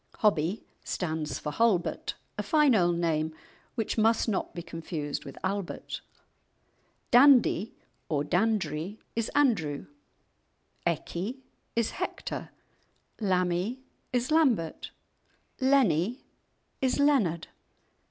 "Hobbie" stands for "Halbert," a fine old name which must not be confused with "Albert." "Dandie" or "Dandrie" is "Andrew," "Eckie" is "Hector," "Lammie" is "Lambert," "Lennie" is "Leonard."